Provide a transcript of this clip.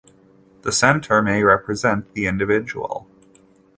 The centre may represent the individual.